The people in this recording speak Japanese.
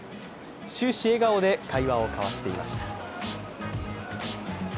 終始、笑顔で会話を交わしていました。